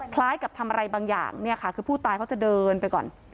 คล้ายกับทำอะไรบางอย่างเนี่ยค่ะคือผู้ตายเขาจะเดินไปก่อน